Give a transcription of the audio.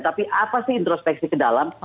tapi apa sih introspeksi ke dalam